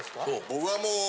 僕はもう。